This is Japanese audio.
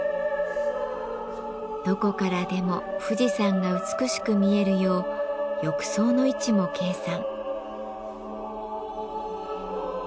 どこからでも富士山が美しく見えるよう浴槽の位置も計算。